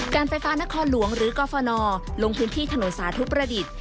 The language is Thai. การไฟฟ้านครหลวงหรือกรฟนลงพื้นที่ถนนสาธุประดิษฐ์